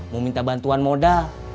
mau minta bantuan modal